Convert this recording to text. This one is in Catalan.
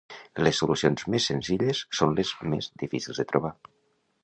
Les solucions més senzilles són les més difícils de trobar.